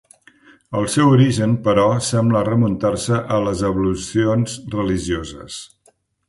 El seu origen, però, sembla remuntar-se a les ablucions religioses.